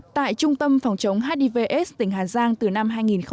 tại trung tâm phòng chống hiv aids tỉnh hà giang từ năm hai nghìn bảy